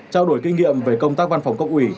trao đổi kinh nghiệm về công tác văn phòng cấp ủy